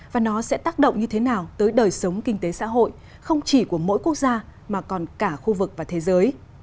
và nó sẽ tác động như thế nào tới đời sống kinh tế xã hội không chỉ của mỗi quốc gia mà còn cả khu vực và thế giới